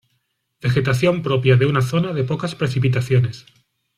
Vegetación propia de una zona de pocas precipitaciones.